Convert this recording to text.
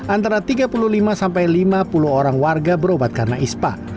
antara tiga puluh lima sampai lima puluh orang warga berobat karena ispa